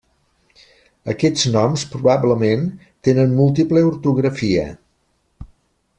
Aquests noms probablement tenen múltiple ortografia.